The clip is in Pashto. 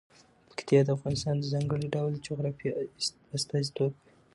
پکتیا د افغانستان د ځانګړي ډول جغرافیه استازیتوب کوي.